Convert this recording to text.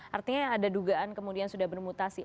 artinya ada dugaan kemudian sudah bermutasi